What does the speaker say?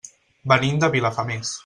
Venim de Vilafamés.